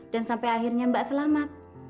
dan sampai akhirnya mbak selamat